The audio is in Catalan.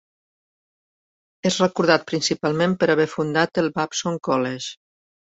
És recordat principalment per haver fundat el Babson College.